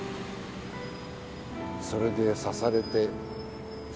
それで刺されて。